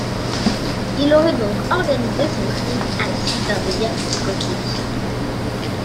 Il aurait donc organisé son crime à la suite d'un délire psychotique.